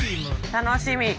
楽しみ。